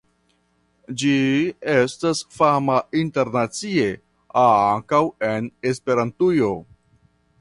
Ĝi estas fama internacie ankaŭ en Esperantujo.